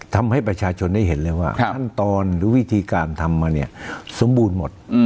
ทำให้ประชาชนได้เห็นเลยว่าขั้นตอนหรือวิธีการทำมาเนี่ยสมบูรณ์หมด